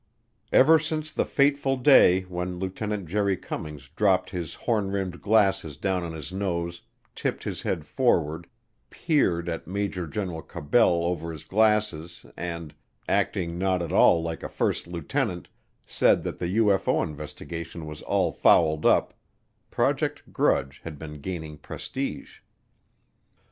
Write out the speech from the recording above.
Ever since the fateful day when Lieutenant Jerry Cummings dropped his horn rimmed glasses down on his nose, tipped his head forward, peered at Major General Cabell over his glasses and, acting not at all like a first lieutenant, said that the UFO investigation was all fouled up, Project Grudge had been gaining prestige.